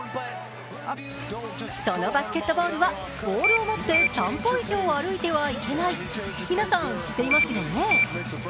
そのバスケットボールはボールを持って３歩以上歩いてはいけない、皆さん知っていますよね。